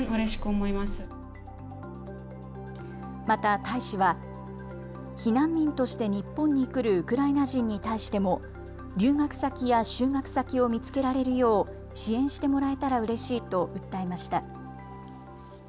また大使は避難民として日本に来るウクライナ人に対しても留学先や就学先を見つけられるよう支援してもらえたらうれしいと訴えました。